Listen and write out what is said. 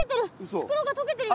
袋が溶けてるよ！